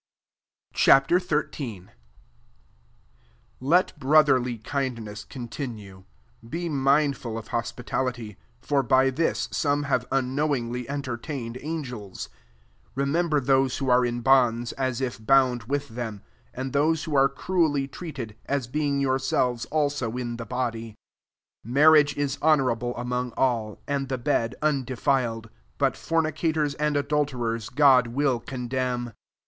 Ch. XIII. 1 Let brotherly undness continue. 2 Be mind fa I of hospitality : for by this some have unknowingly enter tained angels. 3 Remember those who are in bonds, as if bound with them; and those who are cruelly treated, as be* ing yourselves also in the bo dy. 4 Marriage i> honourable among all, and the bed undefil ed : but fornicators and adul terers God will condemn.